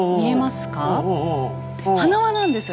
花輪なんです。